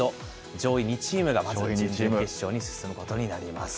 上位２チームが決勝に進むことになります。